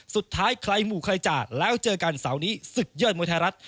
สุดท้ายใครหมู่ใครจากแล้วเจอกันเสาร์นี้ศึกยอดมวยไทยรัฐ